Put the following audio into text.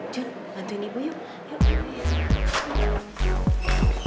jun bantuin ibu yuk